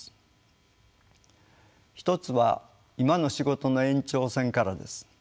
一つは今の仕事の延長線からです。